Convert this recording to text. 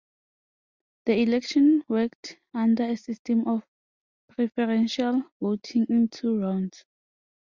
The election worked under a system of preferential voting in two rounds.